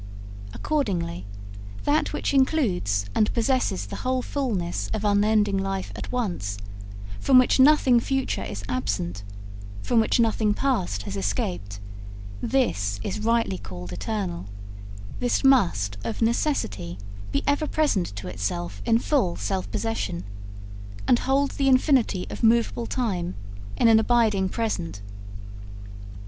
Accordingly, that which includes and possesses the whole fulness of unending life at once, from which nothing future is absent, from which nothing past has escaped, this is rightly called eternal; this must of necessity be ever present to itself in full self possession, and hold the infinity of movable time in an abiding present.